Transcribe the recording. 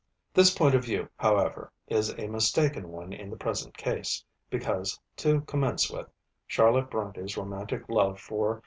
This point of view, however, is a mistaken one in the present case, because, to commence with, Charlotte Brontë's romantic love for M.